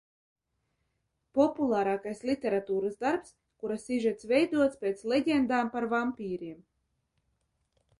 Populārākais literatūras darbs, kura sižets veidots pēc leģendām par vampīriem.